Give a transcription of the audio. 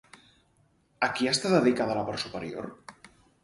A qui està dedicada la part superior?